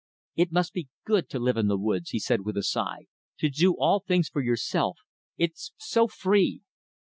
"It must be good to live in the woods," he said with a sigh, "to do all things for yourself. It's so free!"